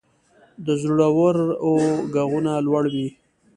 د زړورو ږغونه لوړ وي.